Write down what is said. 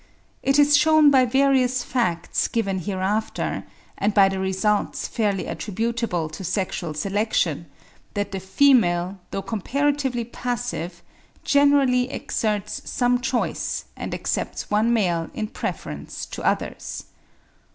It is shewn by various facts, given hereafter, and by the results fairly attributable to sexual selection, that the female, though comparatively passive, generally exerts some choice and accepts one male in preference to others.